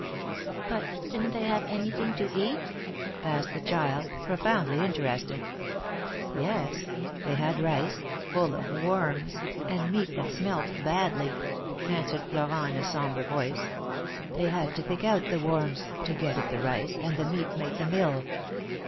''But didn't they have anything to eat?" asked the child, profoundly interested. "Yes — they had rice, full of worms, and meat that smelt badly," answered Florent, in a sombre voice. " They had to pick out the worms, to get at the rice, and the meat made them ill."